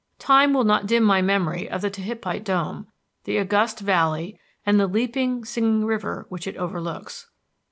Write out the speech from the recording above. Time will not dim my memory of Tehipite Dome, the august valley and the leaping, singing river which it overlooks.